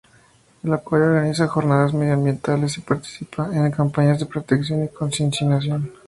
El acuario organiza jornadas medioambientales y participa en campañas de protección y concienciación.